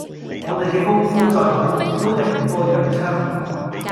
我哋嘅功夫再好，都敵唔過洋槍